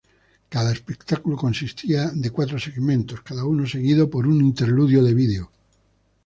Cada espectáculo consistía de cuatro segmentos, cada uno seguido por un interludio de vídeo.